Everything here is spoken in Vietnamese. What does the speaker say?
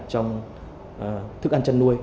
trong thức ăn chăn nuôi